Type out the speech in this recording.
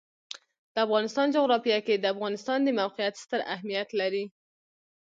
د افغانستان جغرافیه کې د افغانستان د موقعیت ستر اهمیت لري.